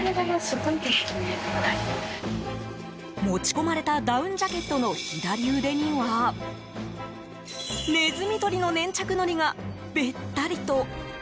持ち込まれたダウンジャケットの左腕にはネズミ捕りの粘着のりがべったりと。